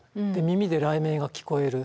耳で雷鳴が聞こえる。